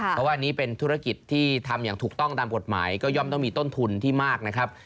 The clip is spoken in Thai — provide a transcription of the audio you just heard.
เพราะว่าอันนี้เป็นธุรกิจที่ทำอย่างถูกต้องตามกฎหมายก็ย่อมต้องมีต้นทุนที่มากนะครับ